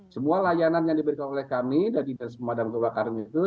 semua layanan yang diberikan oleh kami dari dinas pemadam kebakaran itu